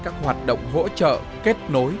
các hoạt động hỗ trợ kết nối